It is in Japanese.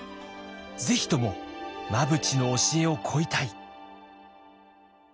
ぜひとも真淵の教えを請いたい。